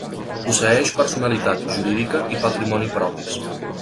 Posseeix personalitat jurídica i patrimoni propis.